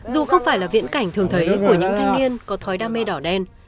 dù không phải là viễn cảnh thường thấy của những thanh niên có thói đam mê đỏ đen